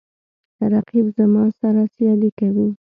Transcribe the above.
رقیب زما سره سیالي کوي